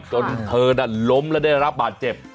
จนเธอนั้นล้มและได้รับบาดเจ็บ